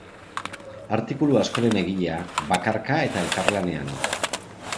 Artikulu askoren egilea, bakarka eta elkarlanean.